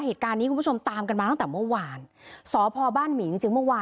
เหตุการณ์นี้คุณผู้ชมตามกันมาตั้งแต่เมื่อวานสพบ้านหมีจริงจริงเมื่อวาน